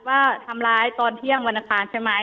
ว่าทำร้ายตอนเที่ยงวันอังคารใช่ไหม